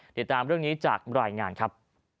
ติดตามเรื่องนี้จากรายงานครับ